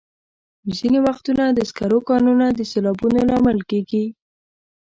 ځینې وختونه د سکرو کانونه د سیلابونو لامل کېږي.